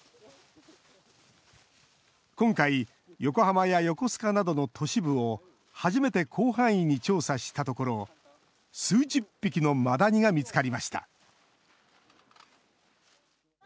今回、横浜や横須賀などの都市部を初めて広範囲に調査したところ、数十匹のマダニが見つかりました。